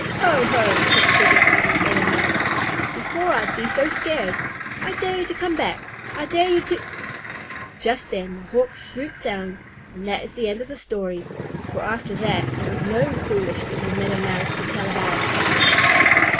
"Ho ho!" said the biggest little Meadow Mouse. "Before I'd be so scared! I dare you to come back! I dare you to " Just then the Hawk swooped down. And that is the end of the story, for after that, there was no foolish little Meadow Mouse to tell about.